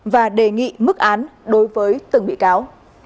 và đề nghị mức án đối với từng bị cáo